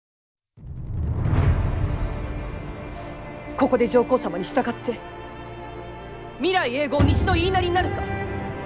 ここで上皇様に従って未来永劫西の言いなりになるか。